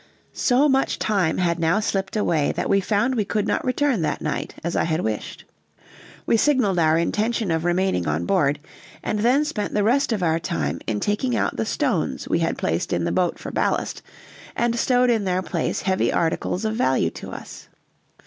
So much time had now slipped away that we found we could not return that night, as I had wished. We signaled our intention of remaining on board, and then spent the rest of our time in taking out the stones we had placed in the boat for ballast, and stowed in their place heavy articles of value to us.